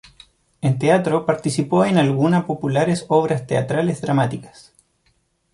En teatro participó en alguna populares obras teatrales dramáticas.